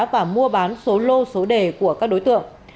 và mua bán số lô số đề của các đối tượng